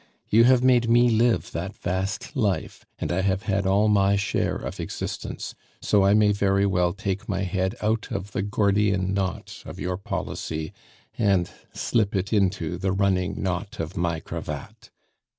You have made me live that vast life, and I have had all my share of existence; so I may very well take my head out of the Gordian knot of your policy and slip it into the running knot of my cravat.